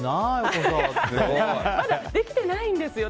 まだできてないんですよ。